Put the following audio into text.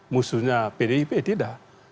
musuhnya pdip tidak